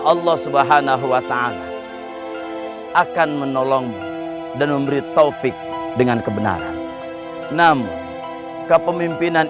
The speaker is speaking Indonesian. allah subhanahu wa ta'ala akan menolong dan memberi taufik dengan kebenaran namun kepemimpinan